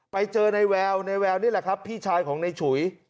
ไปเจอนายแววนายแววนี่แหละครับพี่ชายของนายฉุ๋ย